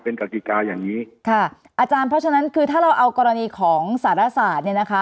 เป็นกติกาอย่างนี้ค่ะอาจารย์เพราะฉะนั้นคือถ้าเราเอากรณีของสารศาสตร์เนี่ยนะคะ